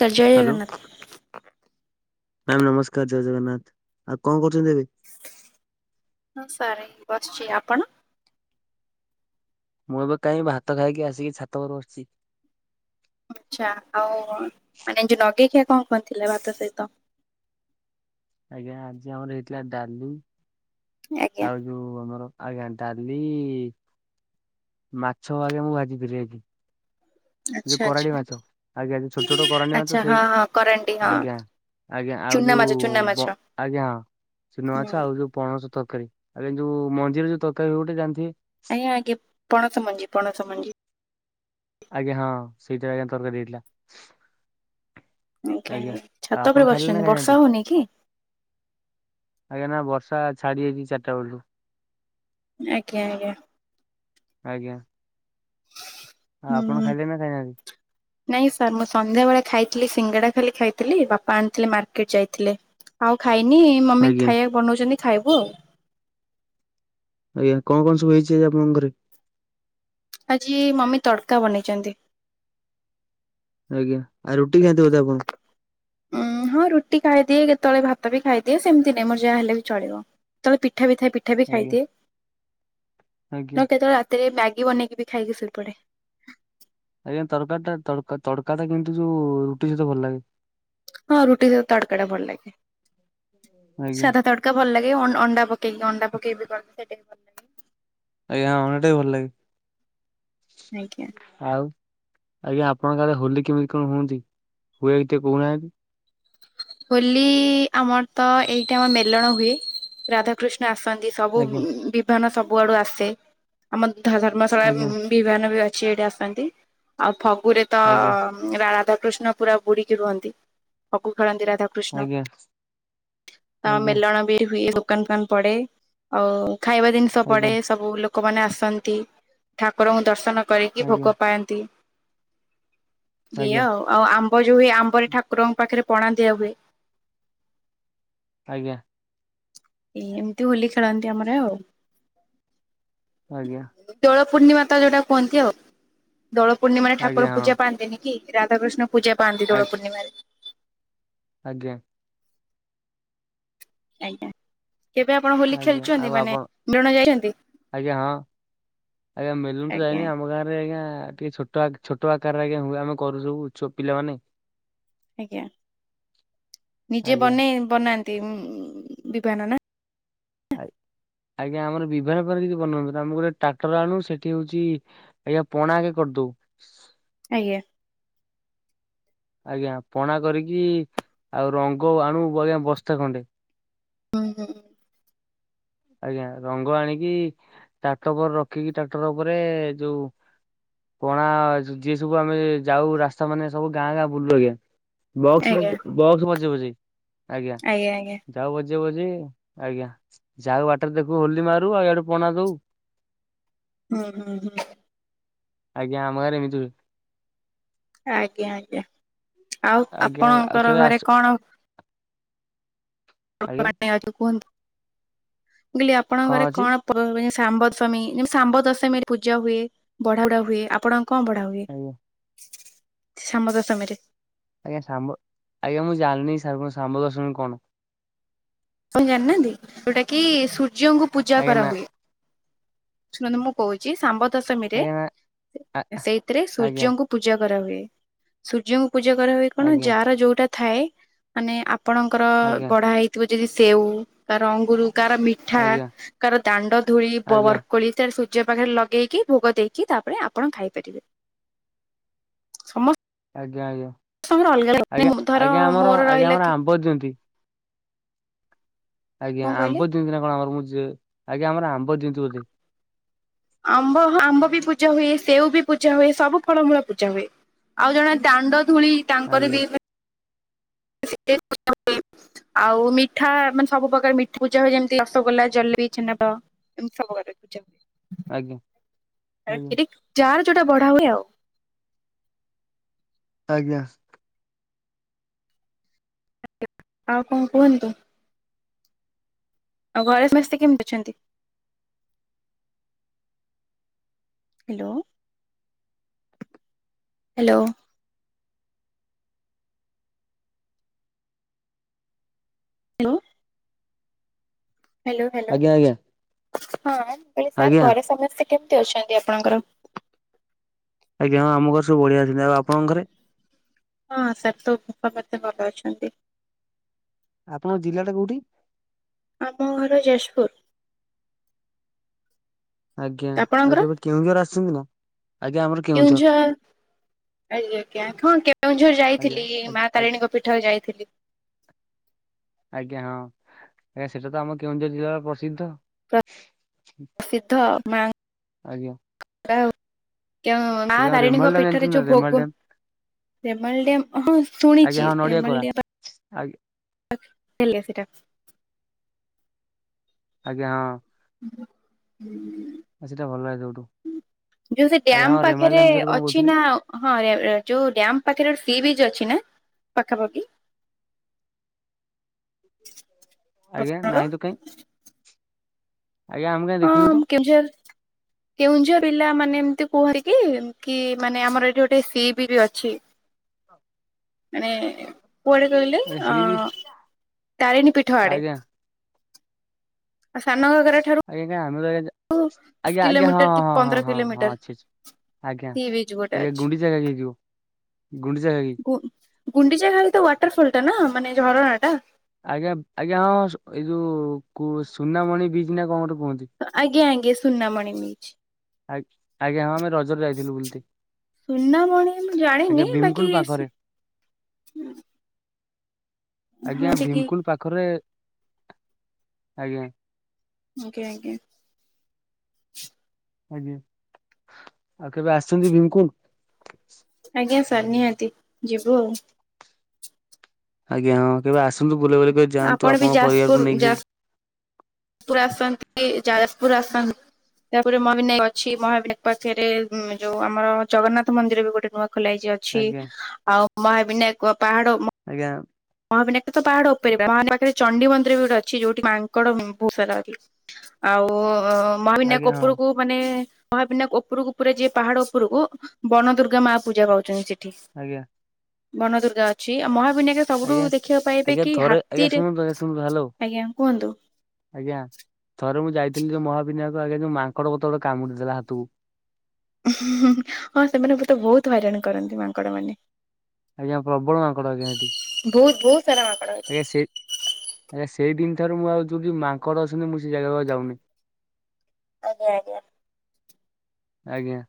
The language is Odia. ଜୟ ଜଗନ୍ନାଥ। ମ୍ୟାମ ନମସ୍କାର। ଜୟ ଜଗନ୍ନାଥ। ଆଉ କଣ କରୁଛନ୍ତି ଏବେ? ହଁ ସାରେ ବସିଛ। ଆପଣ? ମୁଁ ଏବେ କାଇଁ ଭାତ ଖାଇକି ଆସିକି ଛାତ ଉପରେ ବସିଚି। ଆଚ୍ଛା ଆଉ ମାନେ ଯୋଉ ନଗେଇଖିଆ କଣ କଣ ଥିଲା ଭାତ ସହିତ? ଆଜ୍ଞା ଆଜି ଆମର ହେଇଥିଲା ଡାଲି ଆଜ୍ଞା। ଆଉ ଯଉ ଆମର ଆଜ୍ଞା ଡାଲି ମାଛ ଆଜ୍ଞା ମୁଁ ଭାଜିଥିଲି ଆଯି ଯୋଉ ଆଚ୍ଛା ଆଚ୍ଛା କରାଣ୍ଡି ମାଛ ଆଜ୍ଞା ଯୋଉ ଛୋଟ ଛୋଟ କରାଣ୍ଡି ମାଛ ଆଚ୍ଛା ସେଇ ହଁ ହଁ କରାଣ୍ଡି ହଁ ଆଜ୍ଞା ଆଜ୍ଞା ଆଉ ଚୁନା ମାଛ ଚୁନା ମାଛ ଯୋଉ ଆଜ୍ଞା ହୁଁ। ଚୁନାମାଛ ଆଉ ଯୋଉ ପଣସ ତରକାରୀ ଏଇ ଯୋଉ ମଞ୍ଜିର ଯଉ ତରକାରୀ ହୁଉ ଗୋଟେ ଜାଣିଥିବେ? ଆଜ୍ଞା ଆଜ୍ଞା ପଣସ ମଞ୍ଜି, ପଣସ ମଞ୍ଜି। ଆଜ୍ଞା ହଁ, ସେଇଟା ଆଜ୍ଞା ତରକାରୀ ହେଇଥିଲା। ଆଜ୍ଞା ଆଉ ଛାତ ଆପଣ ଉପରେ ଖାଇଲେ ନା ବସିଛନ୍ତି ବର୍ଷା ଖାଇନାହାନ୍ତି ହଉନି କି? ଆଜ୍ଞା ନା ବର୍ଷା ଛାଡ଼ି ଯାଇଛି ଚାରିଟା ବେଳଠୁ। ଆଜ୍ଞା ଆଜ୍ଞା। ଆଜ୍ଞା! ଆଉ ଆପଣ ହୁଁ। ଖାଇଲେ ନା ଖାଇନାହାନ୍ତି? ନାଇଁ ସାର୍ ମୁଁ ସନ୍ଧ୍ୟା ବେଳେ ଖାଇଥିଲି ସିଙ୍ଗଡ଼ା ଖାଲି ଖାଇଥିଲି ବାପା ଆଣିଥିଲେ ମାର୍କେଟ ଯାଇଥିଲେ। ଆଉ ଖାଇନି ମମି ଆଜ୍ଞା ଖାଇବା ବନଉଛନ୍ତି ଖାଇବୁ ଆଉ। ଆଜ୍ଞା କଣ କଣ ସବୁ ହେଇଛି ଆପଣଙ୍କ ଘରେ? ଆଜି ମମି ତଡ଼କା ବନେଇଛନ୍ତି। ଆଜ୍ଞା ଆଉ ରୁଟି ଖାଆନ୍ତି ବୋଧେ ଆପଣ? ଉଁ ହଁ ରୁଟି ଖାଇଦିଏ କେତେବେଳେ ଭାତ ବି ଖାଇଦିଏ ସେମିତି ନାଇଁ ମୋର ଯାହା ହେଲେ ବି ଚଳିବ କେତେବେଳେ ପିଠା ବି ଥାଏ ପି ଠା ବି ଆଜ୍ଞା ଖାଇଦିଏ ଆଜ୍ଞା ତ କେତେବେଳେ ରାତିରେ ମ୍ୟାଗି ବନେଇକି ବି ଖାଇକି ସୋଇପଡେ଼। ଆଜ୍ଞା ତରକାରୀ ଟା ତ ତଡ଼କା ଟା କିନ୍ତୁ ଯୋଉ ରୁଟି ସହିତ ଭଲ ଲାଗେ। ହଁ ରୁଟି ସହିତ ତଡକା ଟା ଭଲ ଲାଗେ ଆଜ୍ଞା ସାଧା ତଡ଼ କା ଭଲ ଲାଗେ ଅଣ୍ଡା ପକେଇକି ଅଣ୍ଡା ପକେଇକି ବି କରନ୍ତି ସେଇଟା ବି ଲାଗେ ଆଜ୍ଞା ହଁ ଅଣ୍ଡା ଟା ବି ଭଲ ଲାଗେ। ଆଜ୍ଞା! ଆଉ ଆଜ୍ଞା ଆପଣଙ୍କ ଆଡ଼େ ହୋଲି କେମିତି କଣ ହୁଅନ୍ତି ହୁଏ ଟେ କହୁନାହାନ୍ତି? ହୋଲି ଆମର ତ ଏଇଟା ଆମ ମେଲଣ ହୁଏ ରାଧା କୃଷ୍ଣ ଆସନ୍ତି ସବୁ ଆଜ୍ଞା ବିିଭାନ ସବୁ ଆଡୁ ଆସେ ଆମ ଧ ଧର୍ମଶାଳା ଆଜ୍ଞା ବିଭାନ ବି ଅଛି ଏଇଠି ଆସନ୍ତି ଆଉ ଫଗୁରେ ତ ଆଜ୍ଞା ରାଧାକୃଷ୍ଣ ପୁରା ବୁଡିକି ରୁହନ୍ତି। ଖେଳନ୍ତିି ରାଧା କୃଷ୍ଣ ଆଜ୍ଞା ତ ଆଜ୍ଞା ମେଲଣ ବି ହୁଏ। ଦୋକାନ ଫୋକାନ ପଡେ, ଆଉ ଖାଇବା ଜିନିଷ ପଡେ। ଆଜ୍ଞା ସବୁ ଲୋକମାନେ ଆସନ୍ତି ଠାକୁରଙ୍କୁ ଦର୍ଶନ କରିକି ଆଜ୍ଞା ଭୋଗ ପାଆନ୍ତି। ଆଜ୍ଞା। ଏଇଆ ଆଉ ଆଉ ଆମ୍ବ ଯୋଉ ହୁଏ ଆମ୍ବ ରେ ଠାକୁରଙ୍କ ପାଖରେ ପଣା ଦିଆ ହୁଏ। ଆଜ୍ଞା! ଏମିତି ହୋଲି ଖେଳନ୍ତି ଆମର ଆଉ। ଆଜ୍ଞା! ଦୋଳ ପୂର୍ଣ୍ଣିମା ତ ଯୋଉଟା କୁହନ୍ତି ଆଉ ଦୋଳ ପୂର୍ଣ୍ଣିମାରେ ଆଜ୍ଞା ଠାକୁର ହଁ ପୂଜା ପାଆନ୍ତିନି। କି ରାଧାକୄଷ୍ଣ ପୂଜା ପାନ୍ତି ଦୋଳ ପୂର୍ଣ୍ଣିମାରେ। ଆଜ୍ଞା! ଆଜ୍ଞା କେବେ ଆପଣ ହୋଲି ଆଜ୍ଞା ଖେଳୁଛନ୍ତି ଆଉ ମାନେ ଆପଣ ମେଲଣ ଯାଇଛନ୍ତି? ଆଜ୍ଞା ହଁ। ଆଜ୍ଞା ମେଲଣ କୁ ତ ଆଜ୍ଞା ଯାଇନି ଆମ ଗାଁରେ ଆଜ୍ଞା ଟିକେ ଛୋ ଟ ଛୋଟ ଆକାରେ ଆଜ୍ଞା ହୁଏ ଆମେ କରୁ ସବୁ ପିଲାମାନେ। ଆଜ୍ଞା ନିଜେ ଆଜ୍ଞା ବନେଇ ବନାନ୍ତି ବିଭାନ ନା? ଆ ଆଜ୍ଞା ଆମର ବିଭାନ ଫିଭାନ କିଛି ବନୁଅନ୍ତିନି ଆମେ ଗୋଟେ ଟ୍ରାକ୍ଟର ଆଣୁ ସେଠି ହଉଛି ଆଜ୍ଞା ପଣା ଆଗେ କରିଦଉ। ଆଜ୍ଞା! ଆଜ୍ଞା ପଣା କରିକି ଆଉ ରଙ୍ଗ ଆଣୁ ଆଜ୍ଞା ବସ୍ତେ ଖଣ୍ଡେ। ହୁ ହୁଁଁ ଆଜ୍ଞା ରଙ୍ଗ ଆଣିକି ଟାକ୍ଟର ଉପରେ ରଖିକି ଟାକ୍ଟର ଉପରେ ଯୋଉ ପଣା ଯିଏ ସବୁ ଆମେ ଯାଉ ରାସ୍ତା ମାନେ ସବୁ ଗାଁ ଗାଁ ବୁଲୁ ଆଜ୍ଞା। ବସ ଆଜ୍ଞା ବକ୍ସ ବଜେଇ ବଜେଇ ଆଜ୍ଞା। ଯାଉ ବଜେଇ ବଜେଇ ଆଜ୍ଞା ଯାଉ ବାଟରେ ଦେଖୁ ହୋଲି ମାରୁ ଆଉ ଆଡେ ପଣା ଦଉ। ହୁଁ ହୁଁ ହୁଁ ଆଜ୍ଞା ଆମ ଗାଁ ରେ ଏମିତି ହୁଏ। ଆଜ୍ଞା ଆଜ୍ଞା ଆଉ ଆଜ୍ଞା ଆଉ ଆପଣଙ୍କର କେବେ ଘରେ ଆସ କଣ? ଆଜ୍ଞା କୁହନ୍ତୁ ମୁଁ କହିଲି ଆପଣଙ୍କ କଣ ଘରେ ଅଛି କଣ? ସାମ୍ବ ଦଶମୀ ଯେମତି ସାମ୍ବ ଦଶମୀରେ ପୂଜା ହୁଏ ବଢା ବଢା ହୁଏ ଆପଣ କଣ ପଢା ହୁଏ ଆଜ୍ଞା ଶାମ୍ବ ଦଶମୀ ରେ? ଆଜ୍ଞା ଶାମ୍ବ ଆଜ୍ଞା ମୁଁ ଜାଣିନି ସା କଣ ସାମ୍ବ ଦଶମୀ କଣ। ଆପଣ ଜାଣିନାହାନ୍ତି ଯୋଉଟା କି ସୂର୍ଯ୍ୟଙ୍କୁ ପୂଜା ଆଜ୍ଞା ନା କରାହୁୁଏ। ଶୁଣନ୍ତୁ ମୁଁ କହୁଚି ଶମ୍ବ ଦଶମୀରେ ଆଜ୍ଞା ନା ଆ ସେଇଥିରେ ଆଜ୍ଞା ସୂର୍ଯ୍ୟଙ୍କୁ ପୂଜା କରାହୁଏ ସୂର୍ଯ୍ୟଙ୍କୁ ପୂଜା କରା ହଏ କଣ ଆଜ୍ଞା ଯାହାର ଯୋଉଟା ଥାଏ ମାନେ ଆ ଆପଣଙ୍କର ଆଜ୍ଞା ବଢା ହେଇଥିବ ଯଦି ସେଉ କାହାର ଅଙ୍ଗୁର କାହାର ମି ଠା ଆଜ୍ଞା କାହାର ଦାଣ୍ଡ ଧୂଳି ଆଜ୍ଞା ଆଜ୍ଞା ବବର ର କୋଳି ତାର ସୂର୍ଯ୍ୟ ପାଖରେ ଲଗେଇକି ଭୋଗ ଦେଇକି ତାପରେ ଆପଣ ଖାଇପାରିବେ। ସମସ୍ତ ଆଜ୍ଞା ଆଜ୍ଞା ଆଜ୍ଞା ଧର ଆଜ୍ଞା ଆମର ମୋର ଆଜ୍ଞା ରହିଲା ଆମର କି ଆମ୍ବ ଦିଅନ୍ତି। ଆଜ୍ଞା କଣ କହିଲେ ଆମ୍ବ ଦିଅନ୍ତି ନା କଣ ଆମର ମୁଁ ଯେ ଆଜ୍ଞା ଆମର ଆମ୍ବ ଦିଅନ୍ତି ବୋଧେ। ଆମ୍ବ ଆମ୍ବ ବି ପୂଜା ହୁଏ, ସେଉ ବି ପୂଜା ହୁଏ, ସବୁ ଫଳମୂଳ ପୂଜା ହୁଏ। ଆଉ ଜଣେ ଦାଣ୍ଡ ଧୂଳି ତାଙ୍କର ଆଜ୍ଞା ବି [unintelligible] ଆଉ ମିଠା ମାନେ ସବୁ ପ୍ରକାର ମିଠା ପୂଜା ହୁଏ ଯେମିତି ରସଗୋଲା ଜଲେବି ଛେନାବା। ଏମତି ସବୁ ଆଜ୍ଞା ଆଜ୍ଞା ଯାର ଯୋଉଟା ବଢା ହୁଏ ଆଉ। ଆଜ୍ଞା। ଆଉ କଣ କୁହନ୍ତୁ? ଆଉ ଘରେ ସମସ୍ତେ କେମିତି ଅଛନ୍ତି? Hello. Hello. Hello. Hello hello ଆଜ୍ଞା ହଁ ମୁ କ ସାର୍ ଆଜ୍ଞା ଆଜ୍ଞା ଘରେ ସମସ୍ତେ କେମିତି ଅଛନ୍ତି ଆପଣଙ୍କର? ଆଜ୍ଞାଁ ଆମ ଘରେ ସବୁ ବଢିଆ ଅଛନ୍ତି। ଆଉ ଆପଣଙ୍କ ଘରେ? ହଁ ସାର୍ ତ ଉପଖା ମୋତେ ଭଲ ଅଛନ୍ତି। ଆପଣଙ୍କ ଜିଲ୍ଲା ଟା କୋଉଠି? ଆମ ଘର ଯାଜପୁର। ଆଜ୍ଞା ଆଉ ଆପଣଙ୍କର? କେବେ କେଉଁଝର ଆସିଚନ୍ତି ନା? ଆଜ୍ଞା ଆମର କେଉଁଝର ଆଜ୍ଞା ଆଞା ହଁ କେଉଁଝର ଆଜ୍ଞା ଯାଇଥିଲି ଆଜ୍ଞା ମା ଆଜ୍ଞା ତାରିଣୀଙ୍କ ପୀଠରେ ଯାଇଥିଲି। ଆଜ୍ଞା ହଁ ଆଜ୍ଞା ସେଟା ତ ଆମ କେଉଁଝର ଜିଲ୍ଲାର ପ୍ରସିଦ୍ଧ। ପ୍ରସିଦ୍ଧ ଆଜ୍ଞା ମାଉ କେଉ ମା ଆଜ୍ଞା ଆଉ ରେମାଲ ତାରିଣୀଙ୍କ ଡ୍ୟାମ ଜାଣିଛନ୍ତି ପୀଠରେ ନା ଯୋଉ ରେମାଲ ଭୋଗ ଡ୍ୟାମ ରେମଲ ଡେମ୍ ହଁ ଶୁଣିଚି ରେମଲ ଡେମ୍ ଆଗ୍ୟା ହେଲ୍ ସେଇଟା। ଆଜ୍ଞା ହଁ। ହଁ ହୁଁ ଆଉ ସେଟା ଭଲ ଲାଗେ ସବୁଠୁ ହୁଁ। ଯୋଉ ସେ ଆଜ୍ଞା ଡାମ ହଁ ରେମାଲ ପାଖରେ ଡ୍ୟାମ ବିଷୟରେ କଣ ଅଛି କହୁଥିଲେ? ନା ହଁ ଯୋଉ ଡ୍ୟାମ ପାଖରେ ସି ବିଚ୍ ଅଛି ନା ପାଖାପାଖି। ଆଜ୍ଞା ଆପଣଙ୍କର ନାହିଁ ତ କାହିଁ? କାଇଁ ଦେଖିନୁ ତ ହଁମ କେଉଁଝର କେଉଁଝର ପିଲା ମାନେ ଏମତି କୁହନ୍ତି କି କି ମାନେ ଆମର ଏଠି ଗୋଟେ ସି ବିଚ ଅଛି। ମାନେ କୁଆଡେ କହିଲେ ଆଜ୍ଞା ଅ ସି ବିଚ୍ ତାରିଣୀ ପୀଠ ଆଡେ। ଆଜ୍ଞା ଆଉ ସାନ ଘାଘରା ଠାରୁ ଆଜ୍ଞା କାଁ ଆମେ ଜା ଦଶ ଆଜ୍ଞା ଆଜ୍ଞା ହଁ କିଲୋମିଟର କି ହଁ ପନ୍ଦର ହଁ ହଁ ହଁ କିଲୋମିଟର ଅଛି ଅଛି। ଆଜ୍ଞା ସି ବିଚ୍ ଗୋଟେ ଆଜ୍ଞା ଅଛି। ଗୁଣ୍ଡିଚାଘାଗି ହେଇଥିବ। ଗୁଣ୍ଡିଚାଘାଗି ଗୁଣ୍ଡିଚାଘାଗି ତ ୱାଟରଫଲ ଟା ନା ମାନେ ଝରଣା ଟା? ଆଜ୍ଞା ଆଜ୍ଞା ହଁ ଏଇ ଯୋଉ କୁ ସୁନାମଣି ବିଚ ନା କଣ ଗୋଟେ କୁହନ୍ତି। ଆଜ୍ଞା ଆଜ୍ଞା ସୁନାମଣି ବିଚ। ଆ ଆଜ୍ଞା ହଁ ଆମେ ରଜରେ ଯାଇଥିଲୁ ବୁଲତେ। ସୁନା ମଣୀ ମୁଁ ଆଜ୍ଞା ଜାଣିନି ବାକି ଭୀମକୁଣ୍ଡ ପାଖରେ ସ ଆଜ୍ଞା ଭୀମ୍ କୁ ପାଖରେ ଆଜ୍ଞା। [inaudible] ଆଉ କେବେ ଆ--ଚନ୍ତି ଭୀମ୍ କୁ? ଆଜ୍ଞା ସାର୍ ନିହାତି, ଯିବୁ ଆଉ। ଆଜ୍ଞା କେବେ ଆସନ୍ତୁ, ବୁଲା ବୁଲି କରି ଯାଆନ୍ତୁ, ଆପଣ ବି ଆପଣଙ୍କ ପ---ବାର୍ ଯାଜପୁର କୁ ନେଇକି ସବୁ। ଯାଜପୁର [unintelligible] [unintelligible] ଆଜ୍ଞା [inaudible] ଆଜ୍ଞା। [unintelligible] [inaudible] ମାନେ ମହାବିନାକ୍ ଓପୁରୁକୁ ଆଜ୍ଞା ହଁ ପୁରା ଯିଏ, ପାହାଡ଼ ଉପୁରୁକୁ ବଣ ଦୁର୍ଗା ମା ପୂଜା ପାଉଚନ୍ତି ସେଠି। ଆଜ୍ଞା। ବନ ଦୁର୍ଗା ଅଛି। ଆଉ ମହାବିନା ସବୁଠୁ ଆଜ୍ଞା ଦେଖିବା--ପାଇବେ ଆଜ୍ଞା କି, ଥରେ ଆଜ୍ଞା ହାତୀରେ ଶୁଣନ୍ତୁ ଶୁଣନ୍ତୁ ହ୍ୟାଲୋ ଆଜ୍ଞା କୁହନ୍ତୁ। ଆଜ୍ଞା, ଥରେ ମୁଁ ଯାଇଥିଲି ମହାବିନାୟକ ଆଜ୍ଞା ଯଉ ମାଙ୍କଡ଼ କାମୁଡ଼ି ଦେଲା ହାତୁକୁ। ହଁ ତ ବହୁତୁ ହଇରାଣ କରନ୍ତି ମାଙ୍କଡ଼ ମାନେ। ଆଜ୍ଞା, ପ୍ରବଳ ମାଙ୍କଡ଼ ଆଜ୍ଞା ହେଟି। ବହୁତ ବହୁତ ସାରା ମାଙ୍କଡ ଅଛି ଆଜ୍ଞା ସେ ସେଇ ଦିନ୍‌ ଠାରୁ ମୁଁ ଆଉ ଯଉଠି ମାଙ୍କଡ଼ ଅଛନ୍ତି, ମୁଁ ସେ ଜାଗାକୁ ଆଉ ଯାଉନି। [inaudible] ଆଜ୍ଞା।